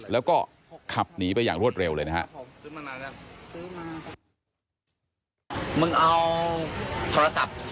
แล้วก็ขับหนีไปอย่างรวดเร็วเลยนะฮะ